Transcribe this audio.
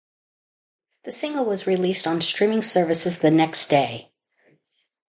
The single was released on streaming services the next day.